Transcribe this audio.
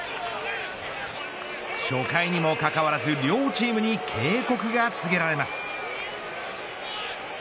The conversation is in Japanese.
初回にもかかわらず両チームに警告が告げられます。